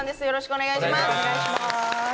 よろしくお願いします。